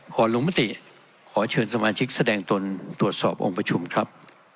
ขอลงมติขอเชิญสมาชิกแสดงตนตรวจสอบองค์ประชุมครับ